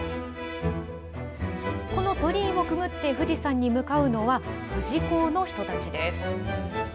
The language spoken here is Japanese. この鳥居をくぐって富士山に向かうのは、富士講の人たちです。